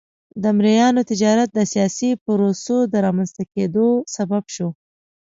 د مریانو تجارت د سیاسي پروسو د رامنځته کېدو سبب شو.